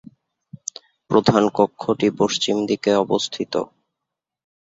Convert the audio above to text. প্রধান কক্ষটি পশ্চিম দিকে অবস্থিত।